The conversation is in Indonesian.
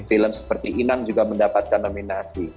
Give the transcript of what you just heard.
film seperti inang juga mendapatkan nominasi